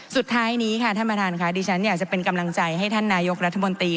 สุดท้ายนี้ค่ะท่านประธานค่ะดิฉันอยากจะเป็นกำลังใจให้ท่านนายกรัฐมนตรี